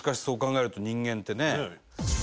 そう考えると人間ってね。